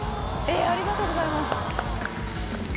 ありがとうございます。